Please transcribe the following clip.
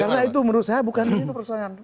karena itu menurut saya bukan itu persoalan